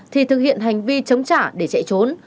thì thực hiện hành vi chống trả để chạy trốn